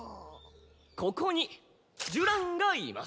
ここにジュランがいます。